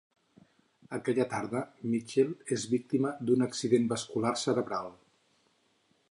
Aquella tarda, Mitchell és víctima d'un accident vascular cerebral.